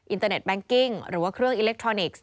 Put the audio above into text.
อินเตอร์เน็งกิ้งหรือว่าเครื่องอิเล็กทรอนิกส์